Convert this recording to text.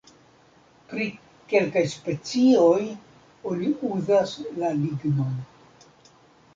Pri kelkaj specioj oni uzas la lignon.